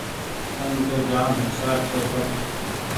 تم تو جآم هوشيآر ڇوٚنٚ سب